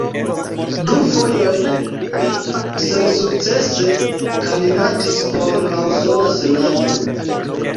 Du fojojn li sensukcese kandidatis por la Usona Senato.